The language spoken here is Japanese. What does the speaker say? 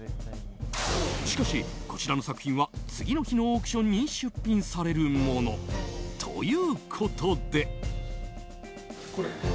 しかし、こちらの作品は次の日のオークションに出品されるもの。ということで。